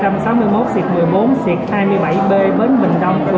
bến bình tâm